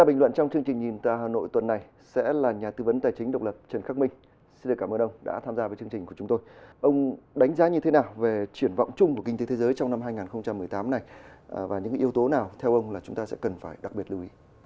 những yếu tố nào theo ông là chúng ta sẽ cần phải đặc biệt lưu ý